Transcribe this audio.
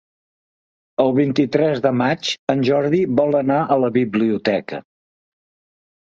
El vint-i-tres de maig en Jordi vol anar a la biblioteca.